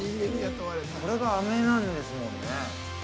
これがあめなんですもんね。